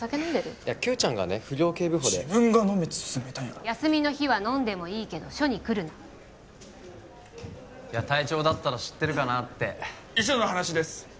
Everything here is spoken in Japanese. いや九ちゃんがね不良警部補で自分が飲めち勧めたんやろ休みの日は飲んでもいいけど署に来るないや隊長だったら知ってるかなって遺書の話です